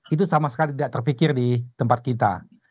itu sama sekali tidak terpikir di tempat kita